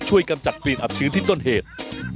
ช่วยกำจัดปีนอับชื้นที่ต้นเหตุ